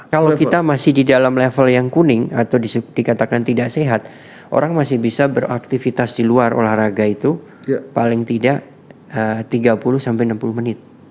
kalau kita masih di dalam level yang kuning atau dikatakan tidak sehat orang masih bisa beraktivitas di luar olahraga itu paling tidak tiga puluh sampai enam puluh menit